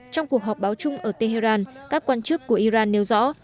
trong cuộc họp báo chung ở tehran các quan chức của iran nêu rõ